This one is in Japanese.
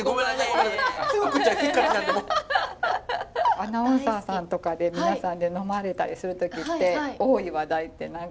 アナウンサーさんとかで皆さんで呑まれたりする時って多い話題って何かあるんですか？